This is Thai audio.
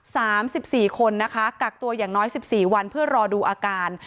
สามสิบสี่คนนะคะกักตัวอย่างน้อยสิบสี่วันเพื่อรอดูอาการ